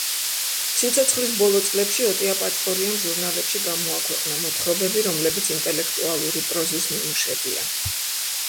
სიცოცხლის ბოლო წლებში ოტია პაჭკორიამ ჟურნალებში გამოაქვეყნა მოთხრობები, რომლებიც ინტელექტუალური პროზის ნიმუშებია.